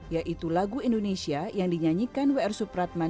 yaitu lagu indonesia yang dinyanyikan w r supratman